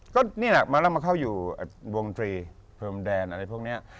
ก็นี่แหละมาแล้วมาเข้าอยู่วงตรีพรมแดนอะไรพวกนี้